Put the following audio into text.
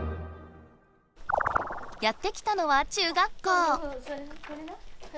やって来たのは中学校。